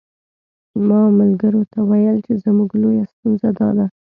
ما ملګرو ته ویل چې زموږ لویه ستونزه داده.